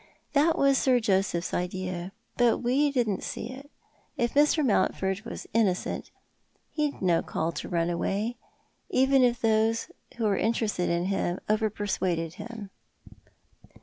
That was Sir Joseph's idea, but we didn't see it. If Mr. Mountford was innocent he'd no call to run away — even if those who were interested in him over persuaded him."